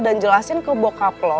dan jelasin ke bokap lo